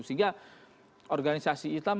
sehingga organisasi islam